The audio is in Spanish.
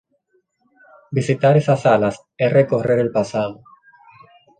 Visitar esas salas es recorrer el pasado.